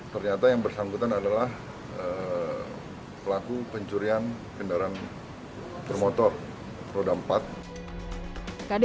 ternyata yang bersangkutan adalah pelaku pencurian kendaraan bermotor roda empat tadi